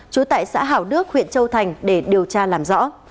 trú tại xã hảo đức huyện châu thành để điều tra làm rõ